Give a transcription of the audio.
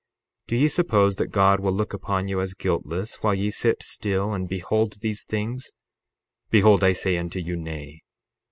60:23 Do ye suppose that God will look upon you as guiltless while ye sit still and behold these things? Behold I say unto you, Nay.